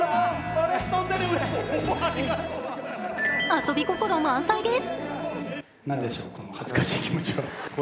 遊び心満載です。